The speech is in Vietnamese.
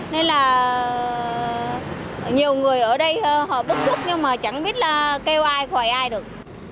nên là nhiều người ở đây họ bức xúc nhưng mà chẳng biết là kêu ai khỏi ai được